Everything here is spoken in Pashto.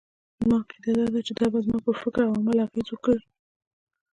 زما عقيده دا ده چې دا به زما پر فکراو عمل اغېز وکړي.